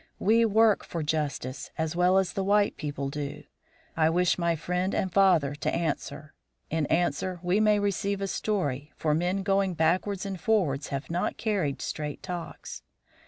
We work for justice, as well as the white people do. I wish my friend and father to answer. In answer we may receive a story, for men going backwards and forwards have not carried straight talks.